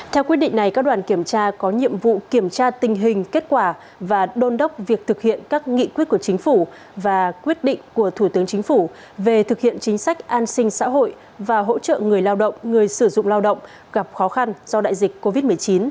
theo quyết định này các đoàn kiểm tra có nhiệm vụ kiểm tra tình hình kết quả và đôn đốc việc thực hiện các nghị quyết của chính phủ và quyết định của thủ tướng chính phủ về thực hiện chính sách an sinh xã hội và hỗ trợ người lao động người sử dụng lao động gặp khó khăn do đại dịch covid một mươi chín